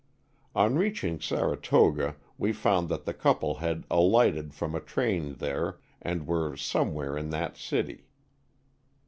On reaching Saratoga we found that the couple had alighted from a train there and were somewhere in that city.